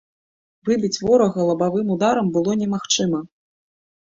Выбіць ворага лабавым ударам было немагчыма.